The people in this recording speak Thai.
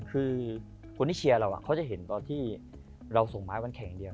คือคนที่เชียร์เราเขาจะเห็นตอนที่เราส่งไม้วันแข่งเดียว